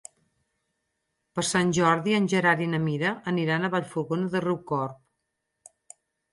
Per Sant Jordi en Gerard i na Mira aniran a Vallfogona de Riucorb.